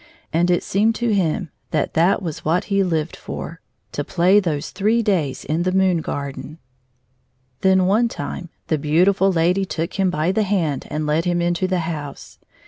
And it seemed to him that that was what he Uved for, — to play those three days in the moon garden. Then one time the beautifiil lady took him by the hand and led him into the house.